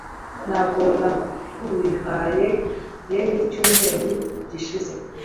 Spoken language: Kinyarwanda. Ntabwo naguhaye , yen icyumweru gishize?